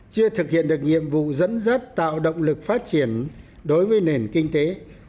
chưa thực hiện được nhiệm vụ dẫn dắt tạo động lực phát triển đối với nền kinh tế